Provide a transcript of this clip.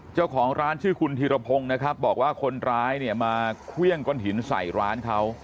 เจ้าของร้านชื่อคุณธีรพงศ์นะครับบอกว่าคนร้ายเนี่ยมาเครื่องก้อนหินใส่ร้านเขา